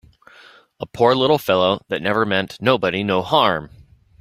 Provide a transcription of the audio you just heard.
A poor little fellow that never meant nobody no harm!